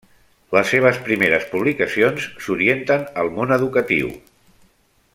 Les seves primeres publicacions s'orienten al món educatiu.